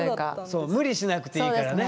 そう無理しなくていいからね！